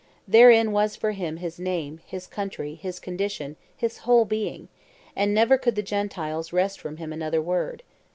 Therein was, for him, his name, his country, his condition, his whole being; and never could the Gentiles wrest from him another word.